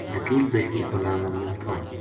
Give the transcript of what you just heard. وکیل بیٹکی کو ناں مریم تھو